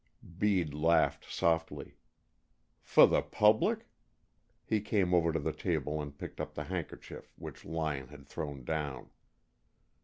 Bede laughed softly. "For the public?" He came over to the table and picked up the handkerchief which Lyon had thrown down.